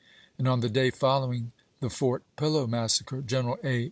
And on the day following the Fort Pillow massacre, General A.